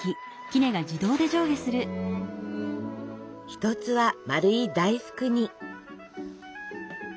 一つは丸い大福に。